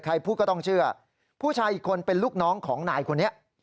ใครพูดก็ต้องเชื่อผู้ชายอีกคนเป็นลูกน้องของนายคนนี้